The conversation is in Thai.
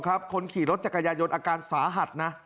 คนขี่รถจักรยายนอาการสาหัสนะ